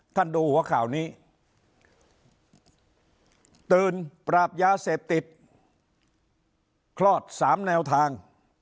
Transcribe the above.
ดูหัวข่าวนี้ตื่นปราบยาเสพติดคลอด๓แนวทาง